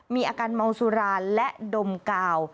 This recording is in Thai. มีอาการเมาสุราและดมกาว